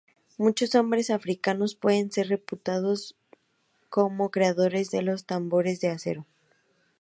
Muchos hombres africanos pueden ser reputados como creadores de los tambores de acero.